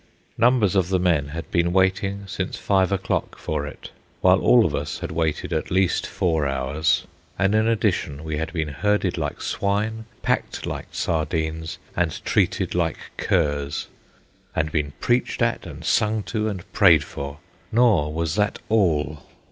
Numbers of the men had been waiting since five o'clock for it, while all of us had waited at least four hours; and in addition, we had been herded like swine, packed like sardines, and treated like curs, and been preached at, and sung to, and prayed for. Nor was that all.